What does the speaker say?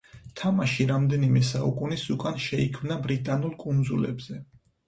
თამაში რამდენიმე საუკუნის უკან შეიქმნა ბრიტანულ კუნძულებზე.